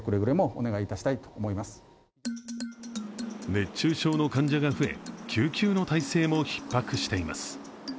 熱中症の患者が増え救急の体制もひっ迫しています。